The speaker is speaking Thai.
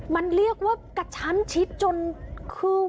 มันเรียกว่ากระชั้นชิดจนคือ